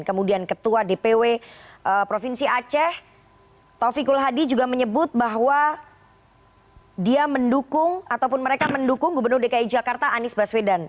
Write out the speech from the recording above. kemudian ketua dpw provinsi aceh taufikul hadi juga menyebut bahwa dia mendukung ataupun mereka mendukung gubernur dki jakarta anies baswedan